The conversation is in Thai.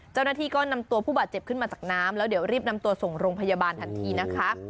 เจ้าหน้าที่ก็นำตัวผู้บาดเจ็บขึ้นมาจากน้ำแล้วเดี๋ยวรีบนำตัวส่งโรงพยาบาลทันทีนะคะ